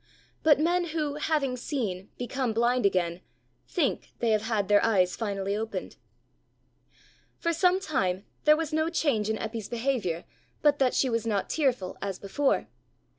But men who, having seen, become blind again, think they have had their eyes finally opened. For some time there was no change in Eppy's behaviour but that she was not tearful as before.